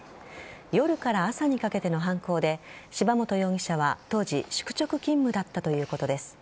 夜から朝にかけての犯行で柴本容疑者は当時、宿直勤務だったということです。